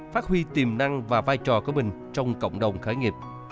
phát huy tiềm năng và vai trò của mình trong cộng đồng khởi nghiệp